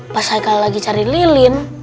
pas saya lagi cari lilin